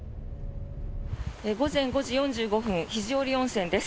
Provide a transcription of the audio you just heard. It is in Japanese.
午前５時４５分肘折温泉です。